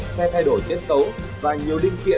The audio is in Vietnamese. xe thay đổi tiết tấu và nhiều linh kiện